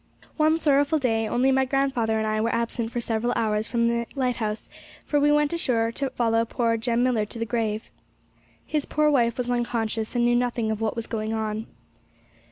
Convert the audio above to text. One sorrowful day only, my grandfather and I were absent for several hours from the lighthouse; for we went ashore to follow poor Jem Millar to the grave. His poor wife was unconscious, and knew nothing of what was going on.